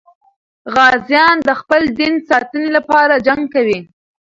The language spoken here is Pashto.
غازیان د خپل دین ساتنې لپاره جنګ کوي.